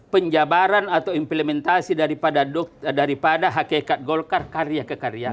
penjabaran atau implementasi daripada hakikat golkar karya kekarya